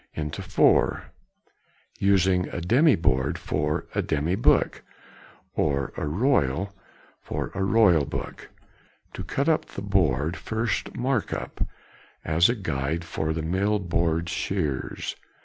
into four; using a demy board for a demy book, or a royal for a royal book. To cut up the board, first mark up, as a guide for the mill board shears.